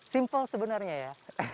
simpel sebenarnya ya